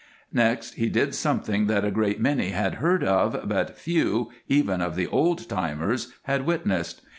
Next he did something that a great many had heard of but few, even of the old timers, had witnessed.